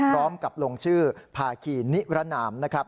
พร้อมกับลงชื่อพาคีนิรนามนะครับ